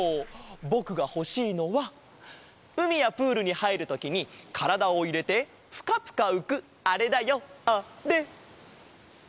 ぼくがほしいのはうみやプールにはいるときにからだをいれてプカプカうくあれだよあれ！